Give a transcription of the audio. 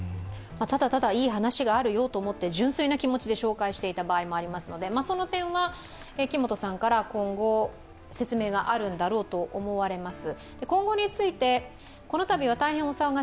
ただただ、いい話があるよと思って純粋な気持ちで紹介していた場合もありますので、その点は木本さんから今後、説明があるんだろうと思われます。